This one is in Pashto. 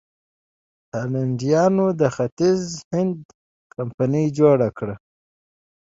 هالنډیانو د ختیځ هند کمپنۍ جوړه کړه.